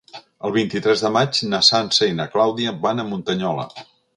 El vint-i-tres de maig na Sança i na Clàudia van a Muntanyola.